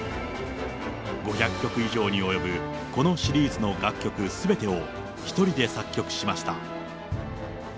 ５００曲以上に及ぶ、このシリーズの楽曲すべてを１人で作曲しました。